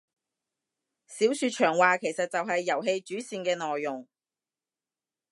小說長話其實就係遊戲主線嘅內容